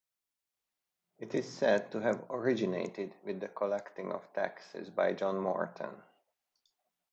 It is said to have originated with the collecting of taxes by John Morton.